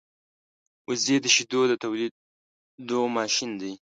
وزې د شیدو د تولېدو ماشین دی